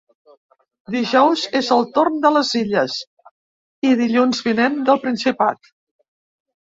Dijous és el torn de les Illes, i dilluns vinent del Principat.